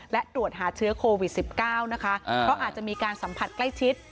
และตรวจหาเชื้อโควิด๑๙นะคะเพราะอาจจะมีการสัมผัสใกล้ชิด